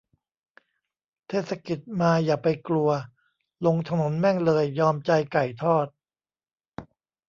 เทศกิจมาอย่าไปกลัว ลงถนนแม่งเลย ยอมใจไก่ทอด